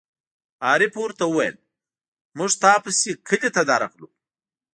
عارف ور ته وویل: مونږ تا پسې کلي ته درغلو.